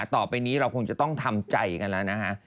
ต่อไปนี้เราคงจะต้องทำใจกันแล้วนะฮะ